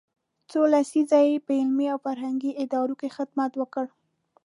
څو لسیزې یې په علمي او فرهنګي ادارو کې خدمت وکړ.